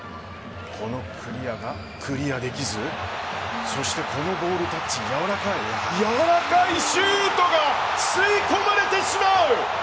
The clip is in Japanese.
このクリアをクリアできずそしてやわらかいボールタッチからやわらかいシュートが吸い込まれてしまう！